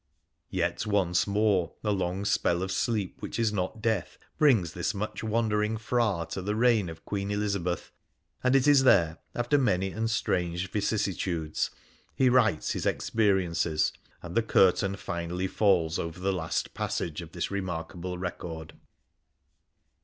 Yet once more, a long spell of sleep, which is not death, brings this much wandering Bhra to the reign of Queen Elizabeth, and it is there, after many and strange vicissitudes, he writes his experiences, and the curtain finally falls over the last passage of this remarkable record.